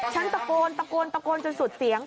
ฉันตะโกนตะโกนตะโกนจนสุดเสียง